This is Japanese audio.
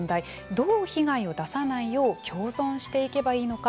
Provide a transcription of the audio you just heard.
どう被害を出さないよう共存していけばいいのか。